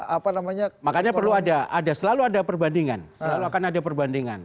apa namanya makanya perlu ada selalu ada perbandingan selalu akan ada perbandingan